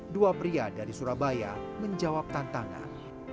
dua pria dari surabaya menjawab tantangan